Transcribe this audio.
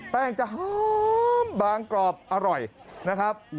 แป้งจะหอมบางกรอบอร่อยนะครับ